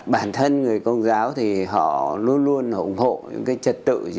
bản thân người công giáo thì họ luôn luôn ủng hộ những cái trật tự